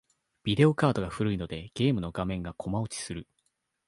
ビデオカードが古いので、ゲームの画面がコマ落ちする。